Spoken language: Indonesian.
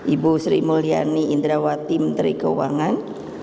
ibu sri mulyani indrawati menteri keuangan